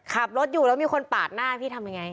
ขับรถอยู่แล้วมีคนปาดหน้าพี่ทำยังไง